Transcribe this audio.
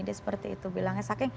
dia seperti itu bilangnya